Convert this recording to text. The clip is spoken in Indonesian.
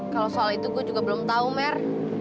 kalau soal itu gue juga belum tahu mer